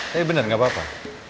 tapi bener gak apa apa